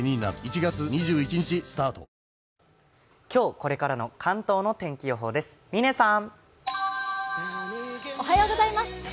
今日これからの関東の天気予報です。